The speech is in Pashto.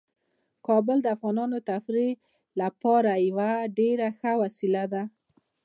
کابل د افغانانو د تفریح لپاره یوه ډیره ښه وسیله ده.